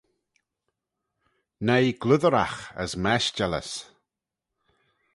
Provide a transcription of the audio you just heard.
Noi glutteraght as meshtallys.